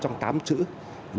chủ tịch hồ chí minh